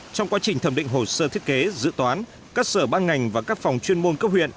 trong quá trình thẩm định hồ sơ thiết kế dự toán các sở ban ngành và các phòng chuyên môn cấp huyện